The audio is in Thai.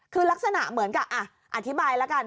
คือลักษณะเหมือนกับอธิบายแล้วกัน